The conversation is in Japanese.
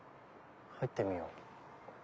入ってみよう。